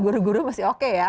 guru guru masih oke ya